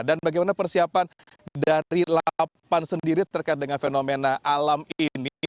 dan bagaimana persiapan dari lapan sendiri terkait dengan fenomena alam ini